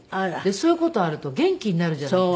そういう事あると元気になるじゃないですか。